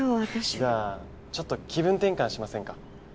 じゃあちょっと気分転換しませんか？